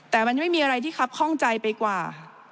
แต่มันไม่มีอะไรที่ครับข้องใจไปกว่า